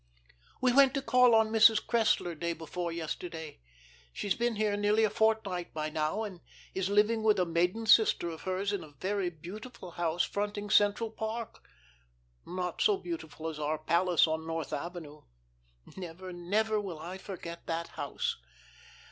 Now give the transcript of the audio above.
"'We went to call on Mrs. Cressler day before yesterday. She's been here nearly a fortnight by now, and is living with a maiden sister of hers in a very beautiful house fronting Central Park (not so beautiful as our palace on North Avenue. Never, never will I forget that house).